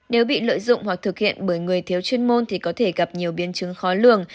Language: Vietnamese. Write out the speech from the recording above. nếu bị lợi dụng hoặc thực hiện bởi người thiếu chuyên môn thì có thể gặp nhiều biến chứng khó lường